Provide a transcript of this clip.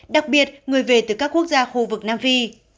đặc biệt người về từ các quốc gia khu vực nam phi